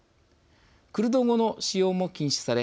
クルド語の使用も禁止され